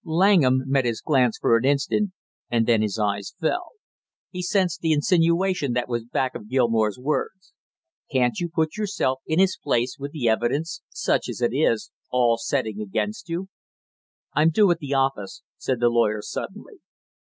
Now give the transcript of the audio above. Langham met his glance for an instant and then his eyes fell. He sensed the insinuation that was back of Gilmore's words. "Can't you put yourself in his place, with the evidence, such as it is, all setting against you?" "I'm due at the office," said the lawyer suddenly.